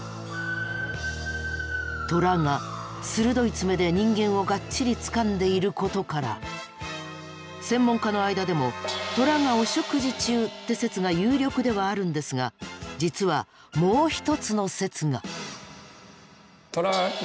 トラが鋭い爪で人間をがっちりつかんでいることから専門家の間でも「トラがお食事中」って説が有力ではあるんですが実はもう一つの説が。